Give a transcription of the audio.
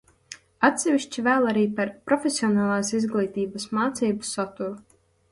Atsevišķi vēl arī par profesionālās izglītības mācību saturu.